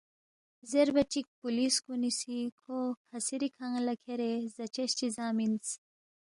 زیربا چِک پولیس کُنی سی کھو ہسِری کھنگ لہ کھیرے زاچس چی زا مِنس